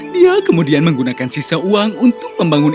dia kemudian menggunakan sisa uang untuk membangun itu